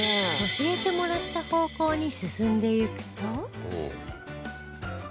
教えてもらった方向に進んでいくと